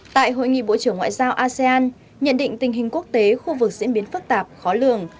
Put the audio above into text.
tại hội nghị bộ trưởng ngoại giao asean nhận định tình hình quốc tế khu vực diễn biến phức tạp khó lường